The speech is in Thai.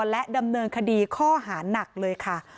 และดำเนินคดีข้อหานักเลยค่ะ